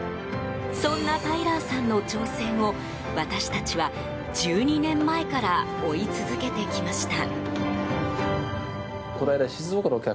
そんなタイラーさんの挑戦を私たちは１２年前から追い続けてきました。